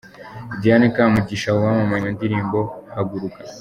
Diana Kamugisha wamamaye mu ndirimbo 'Haguruka'.